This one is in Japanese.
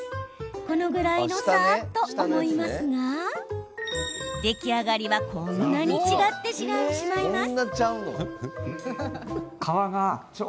このぐらいの差？と思いますが出来上がりはこんなに違ってしまいます。